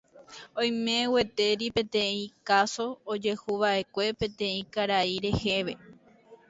Oime gueteri peteĩ káso ojehuva'ekue peteĩ karai rehe.